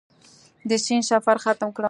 د سیند سفر ختم کړ.